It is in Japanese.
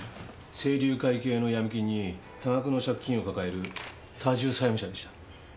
清龍会系のヤミ金に多額の借金を抱える多重債務者でした。